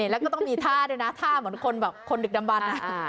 แล้วก็ต้องมีท่าด้วยนะท่าเหมือนคนแบบคนดึกดำบัน